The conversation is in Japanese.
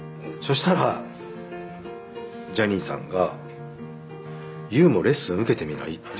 そしたらジャニーさんが「ＹＯＵもレッスン受けてみない？」